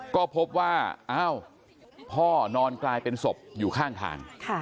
ก็พบว่าอ้าวพ่อนอนกลายเป็นศพอยู่ข้างทาง